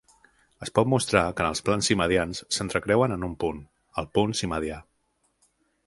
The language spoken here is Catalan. Es pot mostrar que els plans simedians s'entrecreuen en un punt, el punt simedià.